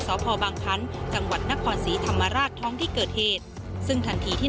สพบางคันจังหวัดนครศรีธรรมราชท้องที่เกิดเหตุซึ่งทันทีที่